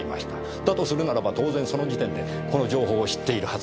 だとするならば当然その時点でこの情報を知っているはずです。